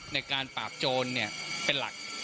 ในการปราบโจรเป็นหลัก